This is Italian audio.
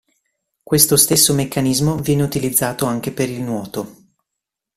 Questo stesso meccanismo viene utilizzato anche per il nuoto.